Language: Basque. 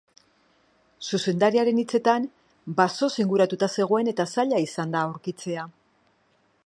Zuzendariaren hitzetan, basoz inguratuta zegoen eta zaila izan da aurkitzea.